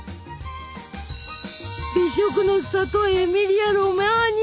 美食のさとエミリア・ロマーニャ。